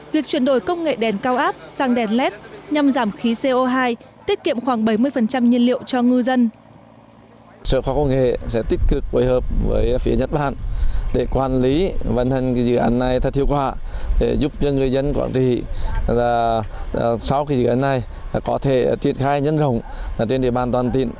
việc chuyển đổi công nghệ đèn cao áp sang đèn led nhằm giảm khí co hai tiết kiệm khoảng bảy mươi nhiên liệu cho ngư dân